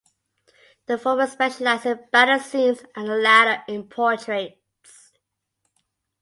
The former specialized in battle scenes and the latter in portraits.